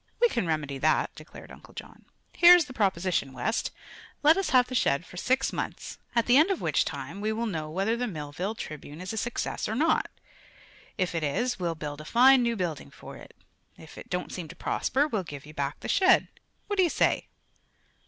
"We can remedy that," declared Uncle John. "Here's the proposition, West: Let us have the shed for six months, at the end of which time we will know whether the Millville Tribune is a success or not. If it is, we'll build a fine new building for it; if it don't seem to prosper, we'll give you back the shed. What do you say?"